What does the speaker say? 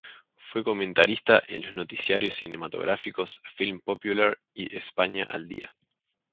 Fue comentarista en los noticiarios cinematográficos "Film popular" y "España al día".